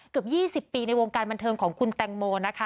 เกือบ๒๐ปีในวงการบันเทิงของคุณแตงโมนะคะ